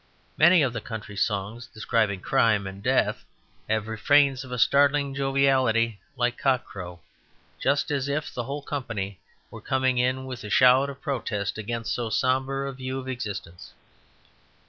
Many of the country songs describing crime and death have refrains of a startling joviality like cock crow, just as if the whole company were coming in with a shout of protest against so sombre a view of existence.